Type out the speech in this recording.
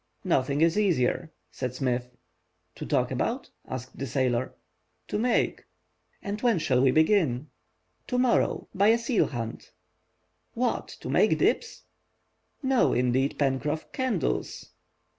"Nothing is easier," said Smith. "To talk about?" asked the sailor. "To make." "And when shall we begin?" "To morrow, by a seal hunt." "What! to make dips?" "No, indeed, Pencroff, candles."